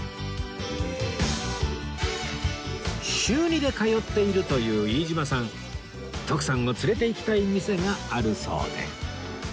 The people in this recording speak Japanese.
週２で通っているという飯島さん徳さんを連れていきたい店があるそうで